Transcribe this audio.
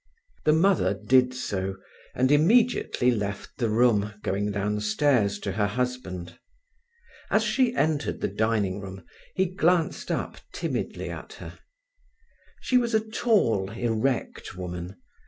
The mother did so, and immediately left the room, going downstairs to her husband. As she entered the dining room he glanced up timidly at her. She was a tall, erect woman.